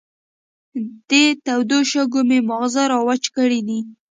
دې تودو شګو مې ماغزه را وچ کړې دي.